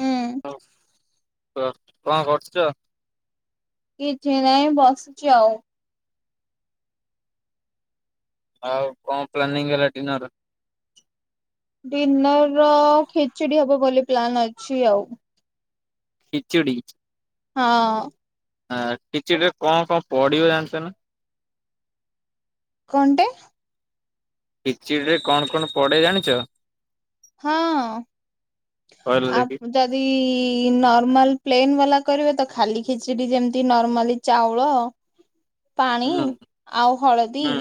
ହୁଁ ହଁ କହ କଣ କରୁଛ? କିଛି ନାଇଁ ବସିଛି ଆଉ। ଆଉ କଣ ପ୍ଲାନିଂ ହେଲା ଡିନର? ଡିନର ର ଖେଚୁଡ଼ି ହବ ବୋଲି ପ୍ଲାନ୍ ଅଛି ଆଉ। ଖିଚୁଡ଼ି? ହଁ। ଆଁ ଖିଚୁଡ଼ୁ ରେ କଣ କଣ ପଡ଼ିବ ଜାଣିଛ ନା? କଣ ଟେ? ଖିଚିଡ଼ି ରେ କଣ କଣ ପଡ଼େ ଜାଣିଛ? ହଁ କହିଲ ଆପ୍ ଦେଖି ଦ୍ ଯଦି ନର୍ମାଲ ପ୍ଲେନ୍ ବାଲା କରିବେ ତ ଖାଲି ଖିଚିଡ଼ି ଯେମିତି ନର୍ମାଲି ଚାଉଳ ପାଣି ହୁଁ ଆଉ ହଳଦୀ ହୁଁ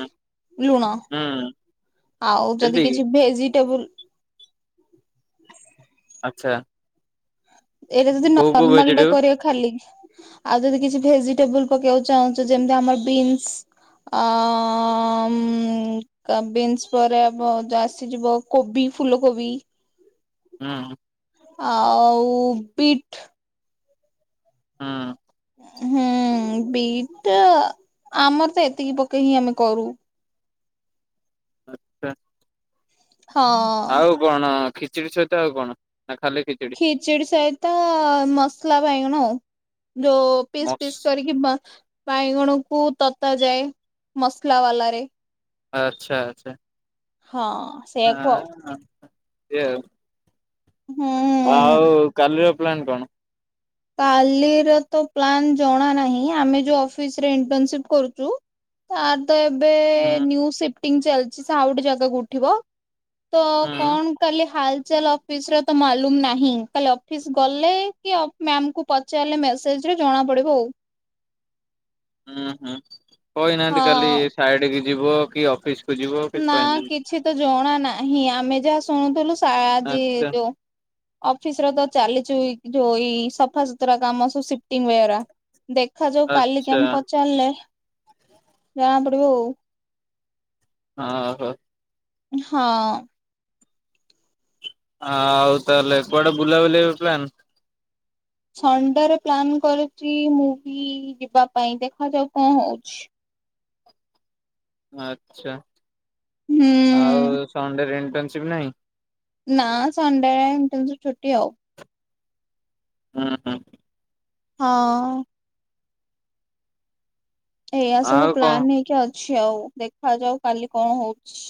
ଲୁଣ। ହୁଁ ଆଉ ଯଦି ଏତିକି କିଛି ଭେଜିଟେବୁଲ ଆଚ୍ଛା। ଏଇଟା ଯଦି କୋଉ କୋଉ ନର୍ମାଲ ଟା ଭେଜିଟେବୁଲ କରିବ ଖାଲି। ଆଉ ଯଦି କିଛି ଭେଜିଟେବୁଲ ପକେଇବାକୁ ଚାହୁଁଛ ଯେମିତି ଆମର ବିନ୍ସ। ଅ ମ୍ କା ବିନ୍ସ ପରେ ଆ ଭ ଯ ଆସିଯିବ କୋବି ଫୁଲ କୋବି। ହୁଁ। ଆଉ ବିଟ୍। ହୁଁ। ହୁଁ ବିଟ୍ ଆମର ତ ଏତିକି ପକେଇ ହିଁ ଆମେ କରୁ। ଆଚ୍ଛା। ହଁ। କଣ ଖିଚୁଡ଼ି ସହିତ ଆଉ କଣ ନାଁ ଖାଲି ଖି ଖିଚିଡି଼ ସହିତ ମସଲା ବାଇଗଣ ଉ ଯୋଉ ପିସ୍ ମସ୍ ପିସ୍ କରିକି ବା ବାଇଗଣକୁ ତତା ଯାଏ ମସଲା ବାଲାରେ। ଆଚ୍ଛା ଆଚ୍ଛା। ହଁ। ସେଇଆକୁ ଆଉ ଆଁ ଯେ ହୁଁ। ଆଉ କାଲିର ପ୍ଲାନ୍ କଣ? କାଲିର ତ ପ୍ଲାନ୍ ଜଣା ନାହିଁ ଆମେ ଯୋଉ ଅଫିସ୍ ରେ ଇଣ୍ଟନସିପ୍ କରୁଚୁ ଆ ତ ଏବେ ହୁଁ ନ୍ୟୁ ସିପ୍ଟିଂ ଚାଲିଚି ସେ ଗୋଟେ ଜାଗାକୁ ଉଠିବ ତ ହୁଁ କଣ କାଲି ହାଲଚାଲ୍ ଅଫିସ୍ ର ତ ମାଲୁମ ନାହିଁ କାଲି ଅଫିସ୍ ଗଲେ କି ମ୍ୟାମ୍ ଙ୍କୁୁ ପଚାରିଲେ ମେସେଜ୍ ରେ ଜଣା ପଡ଼ିବ ଉ। ହୁଁ ହୁଁ କହିନାହାନ୍ତି କାଲି ଫ୍ରାଇଡ଼େକି ଯିବ କି ଅଫିସ୍ ନାଁ କିଛି ତ ଜଣା ନାହିଁ ଆମେ ଯାହା ଶୁଣୁଥିଲୁ ସା ଆଜି ଆଚ୍ଛା ଯୋଉ ଅଫିସ୍ ର ତ ଚାଲିଚି ଉଇ ଯୋଉ ଏଇ ସଫାସୁତୁରା କାମ ସବୁ ସିପ୍ଟିଂ ଉଏରା। ଦେଖାଯାଉ କାଲି ଆଚ୍ଛା କେମ୍ ପଚାରିଲେ ଜଣା ପଡ଼ିବ ଉ। ଅଁହୋ। ଇଁ ହଁ। ଆଉ ତାହେଲେ କୁଆଡ଼େ ବୁଲାବୁଲି ଏବେ ପ୍ଲାନ୍? ସଣ୍ଡେରେ ପ୍ଲାନ କରିଚି ମୁଭି ଯିବା ପାଇଁ ଦେଖାଯାଉ କଁ ହଉଚି। ଆଚ୍ଛା ଆଉ ହୁଁ ସଣ୍ଡେରେ ଇଣ୍ଟନସିପ୍ ନାହିଁ? ନାଁ ସଣ୍ଡେ ଇଣ୍ଟନସିପ୍ ବି ଛୁଟି ଆଉ। ହୁଁ ହୁଁ। ହଁ। ଏଇଆ ସବୁ ଆଉ କଣ ପ୍ଲାନ୍ ହେଇକି ଅଛି ଆଉ ଦେଖା ଯାଉ କାଲି କଁ ହଉଛି।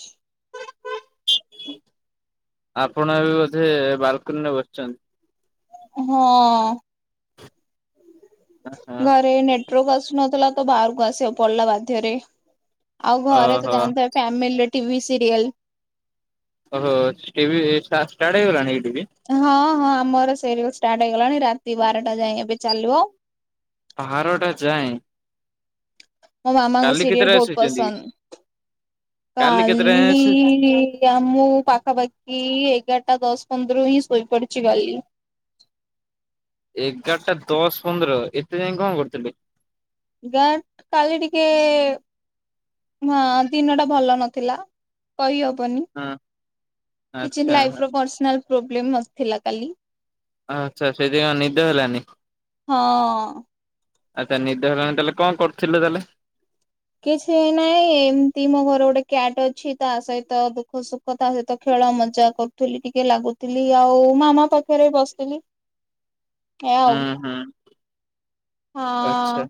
ଆପଣ ଏବେ ବୋଧେ ବାଲକୁନିରେ ବସିଚନ୍ତି? ହଁ। ହଁ ଘରେ ନେଟୃରକ ଆସୁନଥୁଲା ତ ବାହାରକୁ ଆସିବାକୁ ପଡ଼ିଲା ବାଧ୍ୟରେ। ଆଉ ଘରେ ତ ଓହୋ। ଜାଣିଥା ଫ୍ୟାମିଲିରେ ଟି ଭି ସିରିଏଲ୍। ଓହୋ ଟି ଭି ଷ୍ଟା ଷ୍ଟାର୍ଟ ହେଇଗଲାଣି କି ଟି ଭି? ହଁ ହଁ ଆମର ସେରିଓ ଷ୍ଟାର୍ଟ ହେଇଗଲାଣି ରାତି ବାରଟା ଯାଏଁ ଏବେ ଚାଲିବ। ବାରଟା ଯାଏଁ? ମୋ ମାମାଙ୍କୁ କାଲି ସିରିଏଲ଼ କେତେଟା ବହୁତ ଶୋଇଛନ୍ତି? ପସନ୍ଦ କେତେଟା ଯାଏଁ କାଲି ଶୋଇ କ୍ୟା ମୁଁ ପାଖାପାଖି ଏଗାରଟା ଦଶ ପନ୍ଦରୁ ହିଁ ସୋଇପଡି଼ଚି କାଲି। ଏଗାରଟା ଦଶ ପନ୍ଦର ଏତେ ଯାଏଁ କଁ କରୁଥୁଲ? ଗାଁଟ୍ କାଲି ଟିକେ ହଁ ଦିନଟା ଭଲ ନଥିଲା କହିହବନି। ହଁ କିଛି ଆଚ୍ଛା ଲାଇଫ୍ ର ପର୍ସନାଲ୍ ପ୍ରୋବଲମ୍ ନ ଥିଲା କାଲି। ହଁ ଆଚ୍ଛା ସେଇଥିପାଇଁ ଆଉ ନିିଦ ହେଲାନି। ହଁ। ଆଚ୍ଛା ନିଦ ହେଲାନି ତାଲେ କଁ କରୁଥୁଲେ ତାଲେ। କିଛି ନାହିଁ ଏମତି ମୋ ଘରେ ଗୋଟେ କ୍ୟାଟ୍ ଅଛି ତା ସହିତ ଦୁଃଖ ସୁ ଖ ତା ସହିତ ଖେଳ ମଜା କରୁଥୁଲି ଟିକେ ଲାଗୁଥୁଲି ଆଉ ମାମା ପାଖରେ ବି ବସିଥିଲି। ଆଉ ହୁଁ ହୁଁ ଆଚ୍ଛା। ହଁ।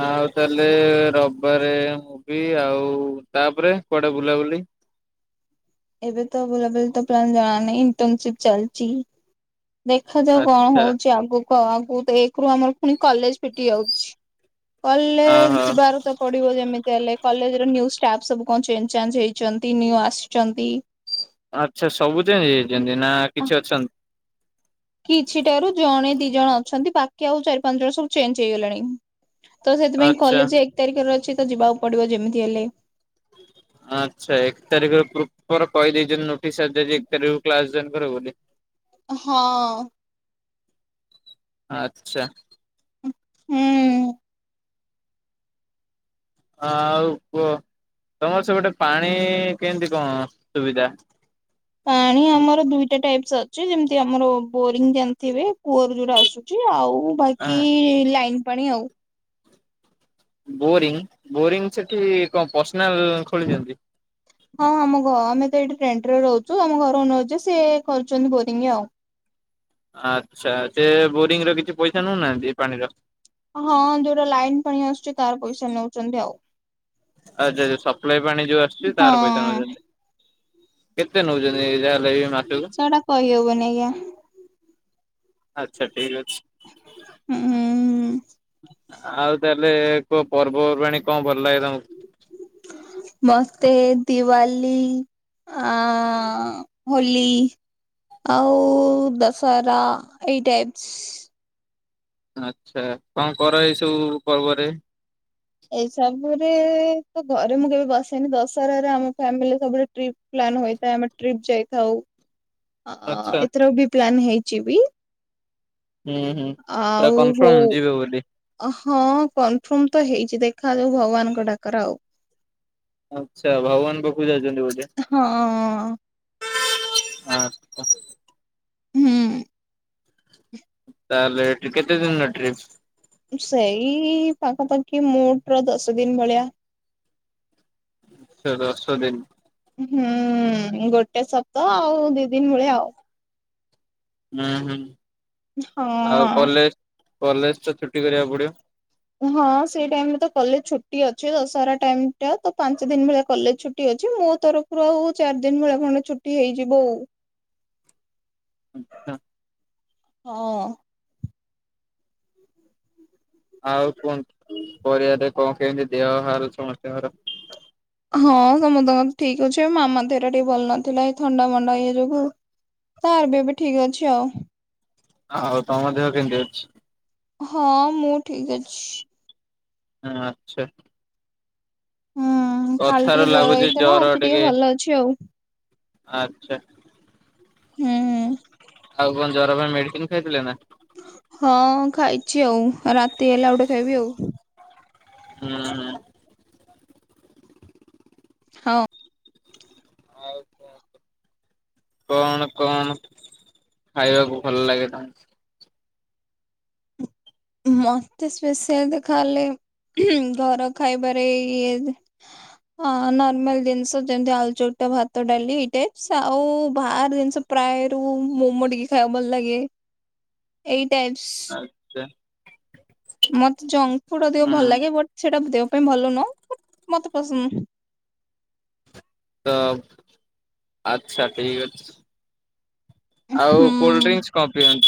ଆଉ ତାହେଲେ ରବିବାରେ ମୁଭୀ ଆଉ ତାପରେ କୁଆଡେ ବୁଲାବୁଲି? [inaudible] ଦେଖାଯାଉ କଣ ଆଚ୍ଛା ହଉଛି ଆଗକୁ ଆଉ ଆଗ ତ ଏକରୁ ଆମର ପୁଣି କଲେଜ ଫିଟି ଯାଉଛି। ଓହୋ କଲେଜି ବାର ତ। [inaudible] ଆଚ୍ଛା ସବୁ ଚେଞ୍ଜ ହେଇଯାଇନ୍ତି ନା କିଛି ଅଛନ୍ତି? କିଛିଟାରୁ ଜଣେ ଦି ଜଣ ଅଛନ୍ତି ବାକି ଆଉ ଚାରି ପାଞ୍ଚ ଜଣ ସବୁ ଚେଞ୍ଜ ହେଇଗଲେଣି। ତ ସେଥିପାଇଁ ଆଚ୍ଛା କଲେଜ ଏକ ତାରିଖରେ ଅଛି ତ ଯିବାକୁ ପଡିବ ଯେମିତି ହେଲେ। ଆଚ୍ଛା ଏକ ତାରିଖରେ ପ୍ରପର କହିଦେଇଛନ୍ତି ନୋଟିସ୍ଆସିଯାଇଛିଏକତାରିଖରୁ୍ କ୍ଲାସ୍ ଜଏନେ କରିବ ବୋଲି। ହଁ। ଆଚ୍ଛା। ହୁଁ। ହ ଆଉ କୁହ ତମର ସେ ପଟ ପାଣି କେମିତି କଣ ସୁବିଧା? ପାଣି ଆମର ଦୁଇଟା ଟାଇପ ଅଛି ଯେମିତି ଆମର ବୋରିଙ୍ଗ ଜାଣିଥିବେ କୂଅରୁ ଯୋଉଟା ଆଉ ବାକି ଲାଇନ ପାଣି ଆଉ। ବୋରିଂ ବୋରିଂ ସେଠି କଣ ପର୍ସନାଲଖୋଳି ଛନ୍ତି। [inaudible] ହଁ ଆମ ଘ ଆମେ ତ ଏଇଠି ରେଣ୍ଟ ରହୁଛୁ ଆମ ଘର ଅନୁ ରଛି ସିଏ କରୁଛନ୍ତି ବୋରିଙ୍ଗ ଆଉ। ଆଚ୍ଛା ସେ ବୋରିଂ ର କିଛି ପଇସା ନଉନାହାନ୍ତି ଏ ପାଣିର? ହଁ ଯୋଉଟା ଲାଇନ୍ ପାଣି ଆସୁଛି ତାର ପଇସା ନଉଛନ୍ତି ଆଉ। ଆଚ୍ଛା ଯୋଉ ସପ୍ଲାଇ ପାଣି ଯୋଉ ଆସୁଛି ତାର ପଇସା ହଁ ନଉଛନ୍ତି। କେତେ ନେଉଛନ୍ତି ଯାହ? ସେଟା କହି ହବନି ଆଜ୍ଞା। ଆଚ୍ଛା ଠିକ୍ ଅଛି। ହୁଁଁ। ଆଉ ତାହେଲେ କୁହ ପର୍ବପର୍ବାଣୀ କ ଭଲ ଲାଗେ ତମକୁ? ମତେ ଦିୱାଲିୀ ଆଁ ହୋଲି। ଆଉ ଦଶହରା ଏଇ ଟାଇପ୍ସ। ଆଚ୍ଛା କଣ କର ଏଇସବୁ ପର୍ବରେ? ଏଇ ସବୁରେ ତ ଘରେ ମୁଁ କେବେ ବସେନି ଦଶହରାରେ ଆମ ଫ୍ୟାମିଲି ସବୁ। ଟ୍ରିପ୍ ପ୍ଲାଆନ୍ ହୋଇଥାଏ ଆମେ ଟ୍ରିପ୍ ଯାଇଥାଉ। ଅଁ ଆଚ୍ଛା ଏଥର ବି ପ୍ଲାନ୍ ହେଇଛି ବି। ହୁଁ ହୁଁ ପୁରା ଆଉ ହଉ କନଫର୍ମ ଯିବେ ବୋଲି। ହଁ କନଫର୍ମ ତ ହେଇଛି ଦେଖାଯାଉ ଭଗବାନଙ୍କ ଡାକରା ଆଉ। ଆଚ୍ଛା ଭଗବାନ ପାଖକୁ ଯାଉଛନ୍ତି ବୋଧେ ହଁ ଆଚ୍ଛା। ହୁଁ। ତାହେଲେ କେତେ ଦିନର ଟ୍ରିପ୍। ସେଇ ପାଖାପାଖି ମୋଟ ର ଦଶ ଦିନ ଭଳିଆ। ସେ ଦଶ ଦିନ। ହୁଁ ଗୋଟେ ସତାହଆଉ ଦି ଦିନ ଭଳିଆ ଆଉ। ହୁଁ ହୁଁ ଆଉ ହଁ। କଲେଜ କଲେଜ ତ ଛୁଟି କରିବାକୁ ପଡିବ। ହଁ ସେଇ ଟାଇମ ରେ ତ କଲେ ଛୁଟି ଅଛି ଦଶହରା ଟାଇମ ଟା ତ ପାଞ୍ଚ ଦିନ ଭଳିଆ କଲେଜ ଛୁ। ଛୁଟି ଅଛି ମୋ ତରଫରୁ ଆଉ ଚାରି ଦିନ ଭଳିଆ ଖଣ୍ଡେ ଛୁଟି ହେଇଯିବ ଆଉ। [inaudible] ହଁ ଆଉ କୁହନ୍ତୁ ପର ଦେ କଣ କେମିତି ଦେହ ହାର ସମସ୍ତଙ୍କର ହଁ ସମସ୍ତଙ୍କ ଠିକ ଅଛି ମାମା ଦେହତା ଟିକେ ଭଲ ନଥିଲା ଏଇ ଥଣ୍ଡା ମଣ୍ଡା ଇଏ ଯୋଗୁ। ତା ଏବେ ବି ଠିକ୍ ଅଛି ଆଉ। ଆଉ ତମ ଦେହ କେମିତି ଅଛି? ହଁ ମୁଁ ଠିକ୍ ଅଛି। ହଁ ଆଛା। ହୁଁ କାଲି କଥାରୁ ଟିକେ ଜର ଲାଗୁଛି ହେଇଥିଲା ଆଜି ଟିକେ ଭଲ ଅଛି ଆଉ। ଆଛା। ହୁଁ ହୁଁ। ଆଉ କଣ ଜର ପାଇଁ ମେଡ଼ିସିନ୍ ଖାଇଥିଲେ ନାଁ? ହଁ ଖାଇଛି ଆଉ ରାତି ହେଲେ ଆଉ ଗୋଟେ ଖାଇବି ଆଉ। ହୁଁ ହୁଁ। ହଁ। ଆଉ କଣ କଣ ଖାଇବାକୁ ଭଲ ଲାଗେ ତମକୁ? ମତେ ସ୍ପେଶିଆଲ ତ ଖାଲି ଘର ଖାଇବାରେ ଇଏ ହଁ ନର୍ମାଲ ଜିନିଷ ଯେମିତି ଆଳୁ ଚକଟା ଭାତ ଡାଲି ଏଇ ଟେପସ୍ ଆଉ ବାହାର ଜିନିଷ ପ୍ରାୟ ରୁ ମୋମୋ ଟିକେ ଖାଇବାକୁ ଭଲ ଲାଗେ ଏଇ ଟାଇପସ୍। ଆଛା। ମତେ ଜଙ୍କ୍ ଫୁଡ୍ ଅଧିକ ଭଲ ହୁଁ ଲାଗେ ବଟ୍ ସେଇଟା ଦେହ ପାଇଁ ଭଲ ନୁହଁ ବଟ୍ ମତେ ପସନ୍ଦ। ତ ଆଛା ଠିକ୍ ଅଛି। ହୁଁ ଆଉ କୋଲଡ୍ରିଙ୍କସ୍ କଁ ପିଅନ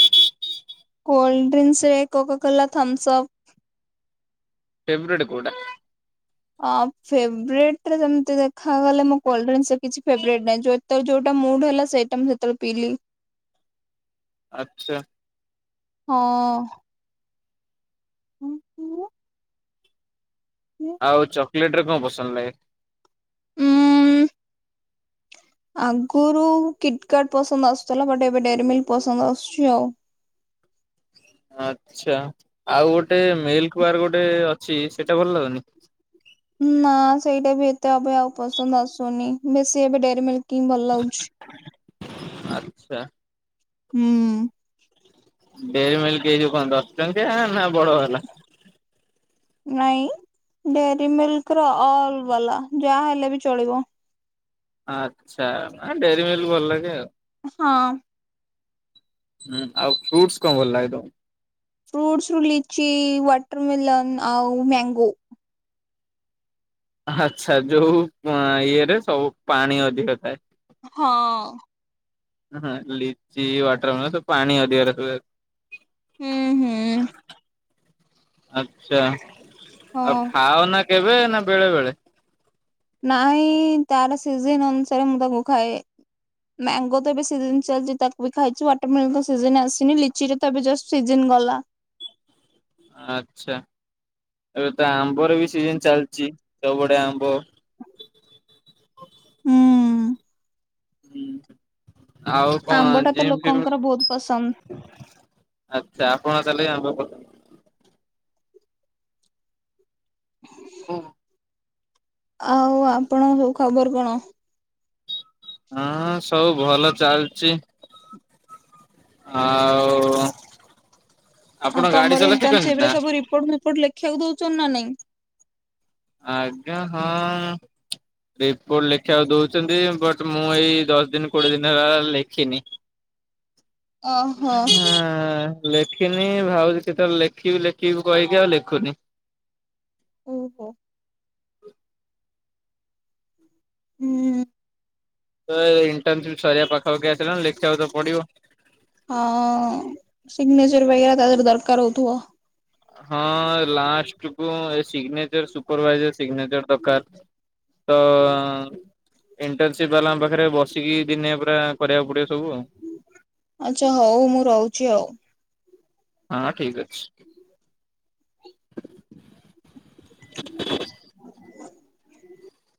କୋଲଡ୍ରିଙ୍କସ୍ ରେ କୋକାକୋଲା ଥମ୍ସଅପ୍ ଫେବ୍ରେଟ୍ କୋଉଟା? ଆଁ ଫେବ୍ରେଟରେ ଯେମିତି ଦେଖାଗଲେ ମୁଁ କୋଲଡ୍ରିଙ୍କସ୍ ରେ କିଛି ଫେବ୍ରେଟ୍ ନାହିଁ ଯ ଯେତେବେଳେ ଯୋଉଟା ମୁଡ୍ ହେଲା ସେଇଟା ମୁଁ ସେତେବେଳେ ପିଇଲି। ଆଛା। ହଁ। ଉଁ ଉଁ। ଆଉ ଚକୋଲେଟ୍ ରେ କଣ ପସନ୍ଦ ଲାଗେ? ଉଁ ଆଗରୁ କିଟ୍ କାର୍ଟ ପସନ୍ଦ ଆସୁଥିଲା ବଟ୍ ଏବେ ଡେରି ମିଲକ୍ ପସନ୍ଦ ଆସୁଛି ଆଉ। ଆଛା ଆଉ ଗୋଟେ ମିଲ୍କ୍ ବାର୍ ଗୋଟେ ଅଛି ସେଇଟା ଭଲ ଲାଗୁନି? ନାଁ ସେଇଟା ବି ଏତେ ଏବେ ଆଉ ପସନ୍ଦ ଆସୁନି ବେଶୀ ଏବେ ଡେରି ମିଲକ୍ ହିଁ ଭଲ ଲାଗୁଛି। ଆଛା। ହୁଁ। ଡେରି ମିଲକ୍ ଏଇ ଜୋଉ କଣ ଦଶ ଟଙ୍କିଆ ନାଁ ବଡ ବାଲା? ନାଇଁ ଡେରି ମିଲକ୍ ର ଅଲ୍ ବାଲା ଯାହା ହେଲେ ବି ଚଳିବ? ଆଛା ଆଁ ଡେରି ମିଲକ୍ ଭଲ ଲାଗେ ଆଉ। ହଁ। ହୁଁ ଆଉ ଫ୍ରୁଟସ୍ କଣ ଭଲ ଲାଗେ ତମକୁ? ଫ୍ରୁଟସ୍ ରୁ ଲିଚି ୱଟରମେଲନ୍ ଆଉ ମ୍ୟାଙ୍ଗୋ। ଆଛା ଯୋଉ ଆଁ ଇଏରେ ସବୁ ପାଣି ଅଧିକ ଥାଏ। ହଁ। ହଁ ହଁ ଲିଚି ୱାଟରମେଲନ୍ ପାଣି ଅଧିକ ସେଥିରେ। ହୁଁ ହୁଁ। ଆଛା ଆଉ ହଁ ଖାଅ ନାଁ କେବେ ନାଁ ବେଳେ ବେଳେ? ନାହିଁ ତାର ସିଜନ୍ ଅନୁସାରେ ମୁଁ ତାକୁ ଖାଏ। ମ୍ୟାଙ୍ଗୋ ତ ଏବେ ସିଜନ୍ ଚାଲିଛି ତାକୁ ବି ଖାଇଛି ୱାଟରମିଲନ୍ ତ ସିଜନ୍ ଆସିନି ଲିଚିର ତ ଏବେ ଜଷ୍ଟ୍ ସିଜନ୍ ଗଲା। ଆଛା ଏବେ ତ ଆମ୍ବର ବି ସିଜନ୍ ଚାଲିଛି ସବୁ ବଢିଆ ଆମ୍ବ। ହୁଁ। ହୁଁ ଆଉ ଆମ୍ବ କଣ ଟା ତ ଜିମ୍ ଫିମ୍ ଲୋକଙ୍କର ବହୁତ ପସନ୍ଦ ଆଛା ଆପଣ ତାହେଲେ ଆମ୍ବ ପସନ୍ଦ? ହଁ। ଆଉ ଆପଣଙ୍କ ଖବର କଣ? ହଁ ସବୁ ଭଲ ଚାଲିଛି। ଆଉ ଆଉ ଆପଣ ଗାଡି ତମର ଚଲା ଶିଖନ୍ତି ଇଣ୍ଟର୍ନସିପ ନା? ରେ ସବୁ ରିପୋର୍ଟ ଫିପୋର୍ଟ ଲେଖିବାକୁ ଦଉଛନ୍ତି ନା ନାଇଁ? ଆଜ୍ଞା ହଁ। ରିପୋର୍ଟ ଲେଖିବାକୁ ଦଉଛନ୍ତି, ବଟ୍ ମୁଁ ଏଇ ଦଶ ଦିନ କୋଡିଏ ଦିନ ହେଲା ଲେଖିନି। ଓହୋ ହଁ। ଲେଖିନି ଭାଉଛି କେତେବେଳେ ଲେଖିବି ଲେଖିବି କହିକି ଆଉ ଲେଖୁନି। ଓହୋ। ହୁଁ। ତ ଏ ଇଣ୍ଟର୍ନସିପ ସରିବା ପାଖାପାଖି ଆସିଲାଣି ଲେଖିବାକୁ ତ ପଡିବ। ହଁ ସିଗ୍ନେଚର ଭଳିଆ ତାର ଯଦି ଦରକାର ହଉଥିବ। ହଁ ଲାଷ୍ଟ କୁ ଏ ସିଗ୍ନେଚର ସୁପରଭାଇଜର ସିଗ୍ନେଚର ଦରକାର। ତ ଇଣ୍ଟର୍ନସିପ ବାଲାଙ୍କ ପାଖରେ ବସିକି ଦିନେ ପୁରା କରିବାକୁ ପଡିବ ସବୁ। ଆଛା ହଉ ମୁଁ ରହୁଛି ଆଉ। ହଁ ଠିକ ଅଛି। [inaudible]